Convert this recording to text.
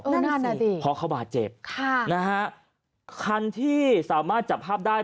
นั่นสิค่ะนั่นสิพอเขามาเจ็บนะฮะคันที่สามารถจับภาพได้